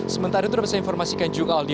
sementara itu dapat saya informasikan juga aldi